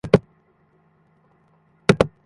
আশা করছিলাম জেগে উঠেছেন!